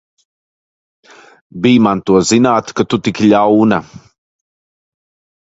Bij man to zināt, ka tu tik ļauna!